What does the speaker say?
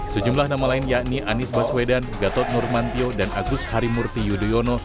sejumlah nama lain yakni anies baswedan gatot nurmantio dan agus harimurti yudhoyono